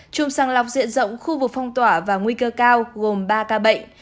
chung sàng lọc diện rộng khu vực phong tỏa và nguy cơ cao gồm ba ca bệnh